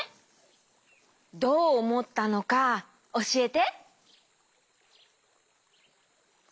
どうおもったのかおしえて。